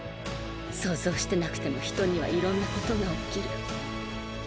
想像してなくても人にはいろんなことが起きる。